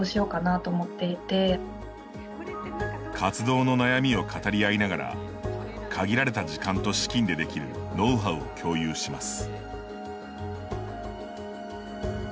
活動の悩みを語り合いながら限られた時間と資金でできるノウハウを共有します。